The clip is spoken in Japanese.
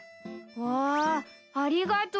わぁありがとう。